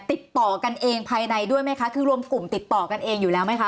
ติดต่อกันเองภายในด้วยไหมคะคือรวมกลุ่มติดต่อกันเองอยู่แล้วไหมคะ